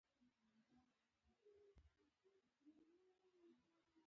د نړیوال سوړ جنګ او یا د تروریزم په نوم